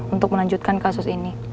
untuk melanjutkan kasus ini